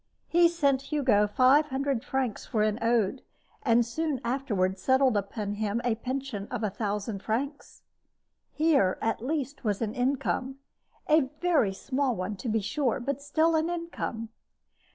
He sent Hugo five hundred francs for an ode, and soon afterward settled upon him a pension of a thousand francs. Here at least was an income a very small one, to be sure, but still an income.